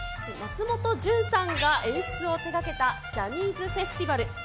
松本潤さんが演出を手がけたジャニーズフェスティバル。